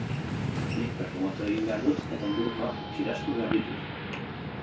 Nik perfumatu egin behar dut eta ingurukoak kirastu behar ditut.